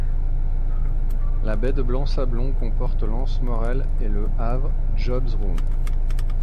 La baie de Blanc-Sablon comporte l'anse Morel et le havre Job's Room.